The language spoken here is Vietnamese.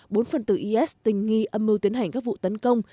bốn phần tử is tình nghi âm mưu tiến hành các vụ tấn công